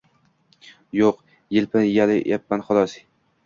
Yo‘q, yelpinyapman xolos.